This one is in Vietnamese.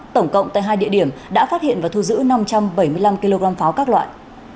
tổng cộng tại hai địa điểm đã phát hiện và thu giữ năm trăm bảy mươi năm kg pháo các loại